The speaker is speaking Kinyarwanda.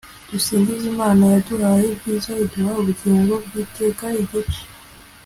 dusingize imana, yaduhaye ibyiza, iduha ubugingo bw'iteka. igice